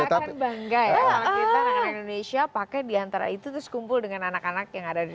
kayaknya akan bangga ya anak anak indonesia pakai di antara itu terus kumpul dengan anak anak yang ada di dunia